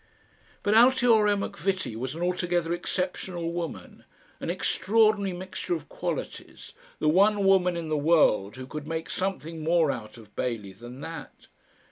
But Altiora Macvitie was an altogether exceptional woman, an extraordinary mixture of qualities, the one woman in the world who could make something more out of Bailey than that.